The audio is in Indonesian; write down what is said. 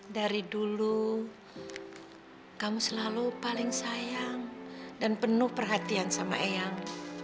dari dulu kamu selalu paling sayang dan penuh perhatian sama eyang